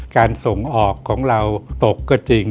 การส่งออกของเราตกก็จริง